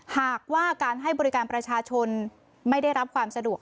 หากว่าการให้บริการประชาชนไม่ได้รับความสะดวก